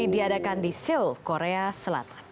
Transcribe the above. diadakan di seoul korea selatan